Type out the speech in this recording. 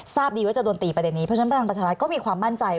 ทราบดีว่าจะโดนตีประเด็นนี้เพราะฉะนั้นพลังประชารัฐก็มีความมั่นใจ